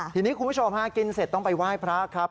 ทีนี้คุณผู้ชมฮะกินเสร็จต้องไปไหว้พระครับ